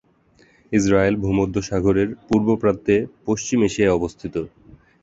Israel ভূমধ্যসাগরের পূর্ব প্রান্তে পশ্চিম এশিয়ায় অবস্থিত।